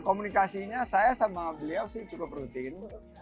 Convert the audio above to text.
komunikasinya saya sama beliau sih cukup rutin